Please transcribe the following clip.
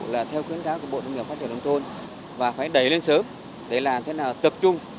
là theo khuyến cáo của bộ nguyên liệu phát triển đồng tôn và phải đẩy lên sớm để làm thế nào tập trung